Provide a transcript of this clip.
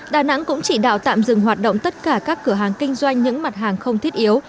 đà nẵng cũng chỉ đạo tạm dừng hoạt động tất cả các cửa hàng kinh doanh những mặt hàng không thiết yếu